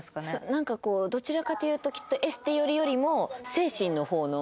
なんかこうどちらかというときっとエステ寄りよりも精神の方の。